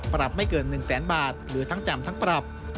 ปรับไม่เกิน๑แสนบาทหรือทั้งจำทั้งปรับ